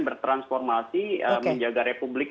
bertransformasi menjaga republik